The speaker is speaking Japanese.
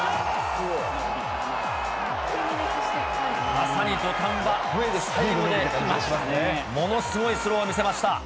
まさに土壇場、最後にものすごいスロー見せました。